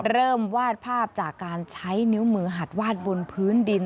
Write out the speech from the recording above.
วาดภาพจากการใช้นิ้วมือหัดวาดบนพื้นดิน